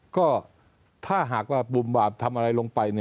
ก็ถ้าหากว่าบุ่มบาปทำอะไรลงไป